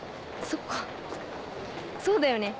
そっかそうだよね。